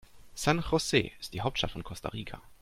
San José ist die Hauptstadt von Costa Rica.